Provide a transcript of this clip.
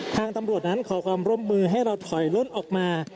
ทางตำรวจนั้นขอความร่วมมือให้เราถอยล่นออกมา